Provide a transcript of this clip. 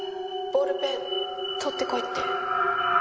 ボールペン盗ってこいって。